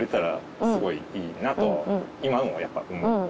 今もやっぱ思う。